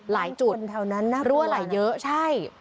ลายจุดรั่วไหลเยอะ